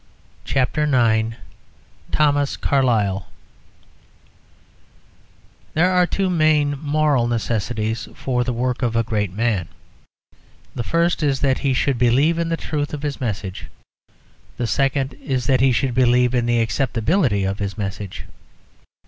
Chatto & Windus. THOMAS CARLYLE There are two main moral necessities for the work of a great man: the first is that he should believe in the truth of his message; the second is that he should believe in the acceptability of his message.